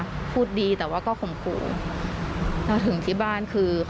ความโหโชคดีมากที่วันนั้นไม่ถูกในไอซ์แล้วเธอเคยสัมผัสมาแล้วว่าค